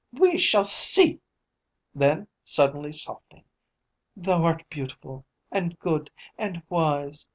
We shall see!" then, suddenly softening "Thou art beautiful, and good, and wise.